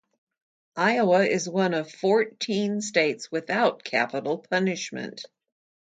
Iowa is one of fourteen states without capital punishment.